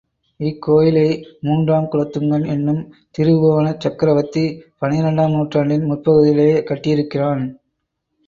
இக்கோயிலை மூன்றாம் குலோத்துங்கன் என்னும் திரிபுவனச் சக்ரவர்த்தி பன்னிரண்டாம் நூற்றாண்டின் முற்பகுதியிலே கட்டியிருக்கிறான்.